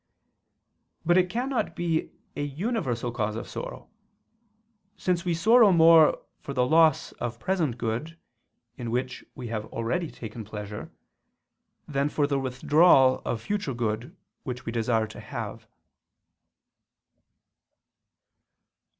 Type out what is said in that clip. But it cannot be a universal cause of sorrow: since we sorrow more for the loss of present good, in which we have already taken pleasure, than for the withdrawal of future good which we desire to have.